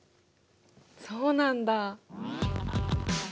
そうなんだ！